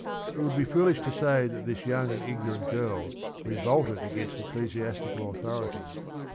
It would be foolish to say that this young and ignorant girl revolted against ecclesiastical authority.